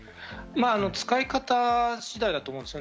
使い方次第だと思います。